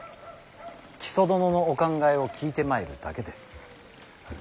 木曽殿のお考えを聞いてまいるだけです。